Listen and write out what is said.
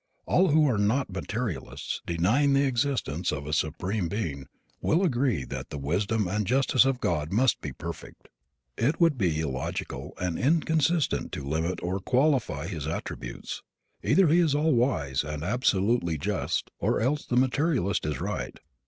All who are not materialists, denying the existence of a Supreme Being, will agree that the wisdom and justice of God must be perfect. It would be illogical and inconsistent to limit or qualify His attributes. Either He is all wise and absolutely just, or else the materialist is right.